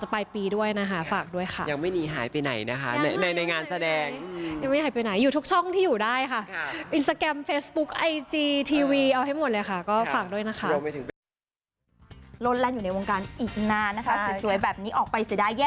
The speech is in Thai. ไปฟังน้ำชากันเลยค่ะ